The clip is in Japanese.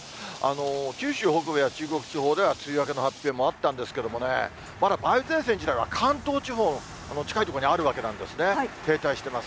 九州北部や中国地方では梅雨明けの発表もあったんですけどもね、まだ梅雨前線自体は関東地方、近い所にあるわけなんですね、停滞してます。